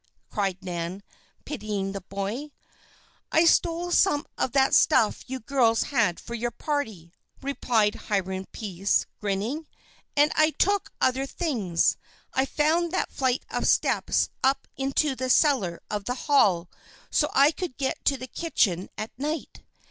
cried Nan, pitying the boy. "I stole some of that stuff you girls had for your party," replied Hiram Pease, grinning. "And I took other things. I found that flight of steps up into the cellar of the Hall. So I could get to the kitchen at night.